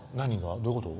どういうこと？